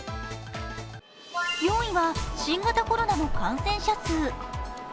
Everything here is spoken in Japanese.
４位は新型コロナの感染者数。